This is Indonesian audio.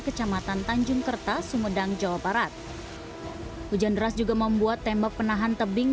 kecamatan tanjung kerta sumedang jawa barat hujan deras juga membuat tembak penahan tebing